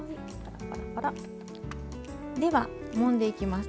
では、もんでいきます。